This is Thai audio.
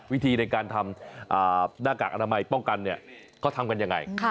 วิธีในการทำหน้ากากอนามัยป้องกันเนี่ยเขาทำกันยังไง